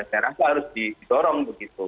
saya rasa harus didorong begitu